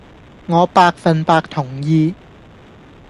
我百份百同意